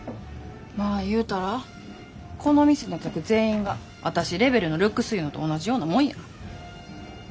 まあ言うたらこの店の客全員が私レベルのルックスいうのと同じようなもんや。